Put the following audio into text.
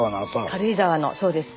軽井沢のそうです。